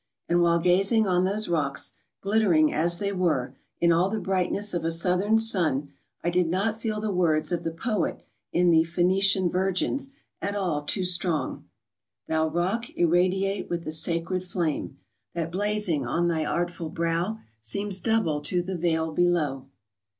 And while gazing on those rocks, glittering, as they were, in all the brightness of a southern sun, I did not feel the words of the poet in the Phenician Virgins" at all too strong:— " Thou rock irradiate with the sacred flame, That blazing on thy artful brow, Seems double to the vale below."